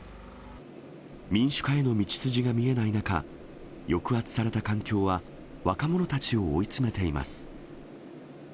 民主化への道筋が見えない中、抑圧された環境は、若者たちを追い詰めています。